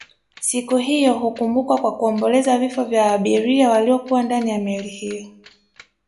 Siku hiyo hukumbukwa kwa kuomboleza vifo vya abiria waliokuwa ndani ya meli hiyo